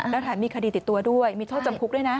แล้วแถมมีคดีติดตัวด้วยมีโทษจำคุกด้วยนะ